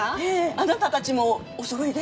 あなたたちもおそろいで？